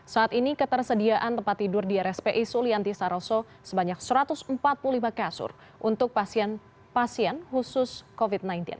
saat ini ketersediaan tempat tidur di rspi sulianti saroso sebanyak satu ratus empat puluh lima kasur untuk pasien pasien khusus covid sembilan belas